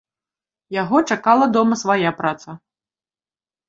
Яго чакала дома свая праца.